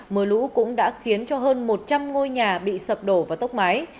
mưa lũ cũng đã khiến cho hơn một trăm linh ngôi nhà bị sập đổ và tốc mái